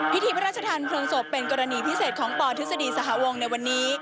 พิธีพระราชทานเพลิงศพเป็นกรณีพิเศษของปทฤษฎีสหวงในวันนี้